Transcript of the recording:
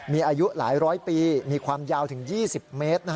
มีอายุหลายร้อยปีมีความยาวถึง๒๐เมตร